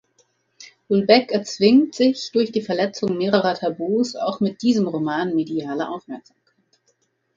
Houellebecq erzwingt sich durch die Verletzung mehrerer Tabus auch mit diesem Roman mediale Aufmerksamkeit.